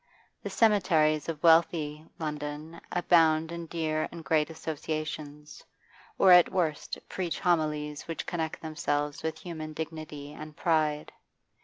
The cemeteries of wealthy London abound in dear and great associations, or at worst preach homilies which connect themselves with human dignity and pride.